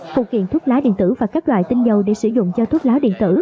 phụ kiện thuốc lá điện tử và các loại tinh dầu để sử dụng cho thuốc lá điện tử